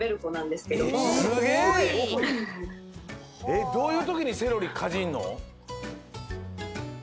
えっどういうときにセロリかじんの？